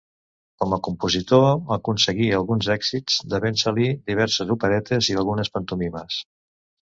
Com a compositor aconseguí alguns èxits, devent-se-li diverses operetes i algunes pantomimes.